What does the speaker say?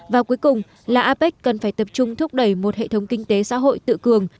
và cuối cùng là apec cần phải tập trung thúc đẩy một hệ thống kinh tế xã hội tự cường